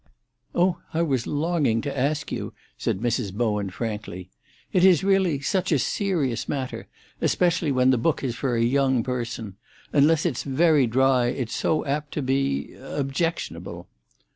"Oh, I was longing to ask you!" said Mrs. Bowen frankly. "It is really such a serious matter, especially when the book is for a young person. Unless it's very dry, it's so apt to be—objectionable."